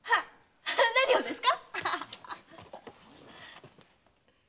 何をですか？